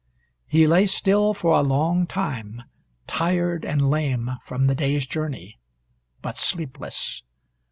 He lay still for a long time, tired and lame from the day's journey, but sleepless.